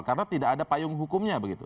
karena tidak ada payung hukumnya begitu